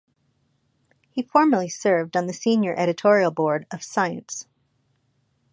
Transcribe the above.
He formerly served on the Senior Editorial Board of "Science".